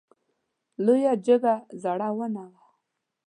لویه جګه زړه ونه وه .